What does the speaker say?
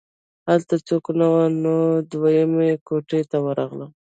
هلته څوک نه وو نو دویمې کوټې ته ورغلم